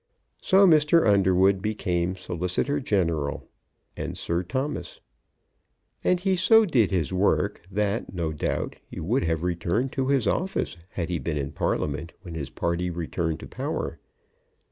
So Mr. Underwood became Solicitor General and Sir Thomas; and he so did his work that no doubt he would have returned to his office had he been in Parliament when his party returned to power.